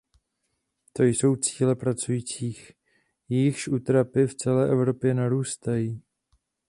To jsou cíle pracujících, jejichž útrapy v celé Evropě narůstají.